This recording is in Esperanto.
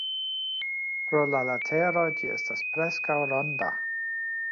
Pro la lateroj ĝi estas preskaŭ ronda.